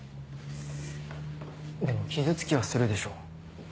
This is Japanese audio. でも傷つきはするでしょ。